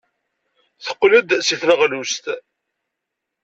Teqqel-d seg tneɣlust.